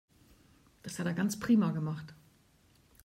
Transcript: Das hat er ganz prima gemacht.